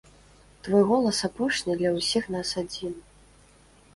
Твой голас апошні для ўсіх нас адзін.